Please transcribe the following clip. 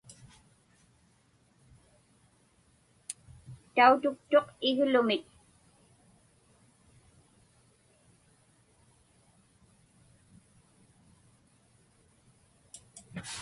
Tautuktuq iglumik.